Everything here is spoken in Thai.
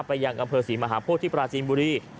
ไปยังอำเภอศรีมหาโภษที่ปราสินบุรี